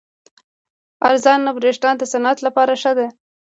ارزانه بریښنا د صنعت لپاره ښه ده.